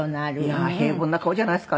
いや平凡な顔じゃないですか？